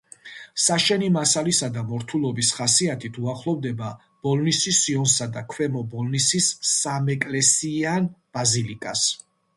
საშენი მასალისა და მორთულობის ხასიათით უახლოვდება ბოლნისის სიონსა და ქვემო ბოლნისის სამეკლესიიან ბაზილიკას.